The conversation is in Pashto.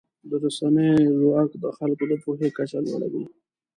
د رسنیو ځواک د خلکو د پوهې کچه لوړوي.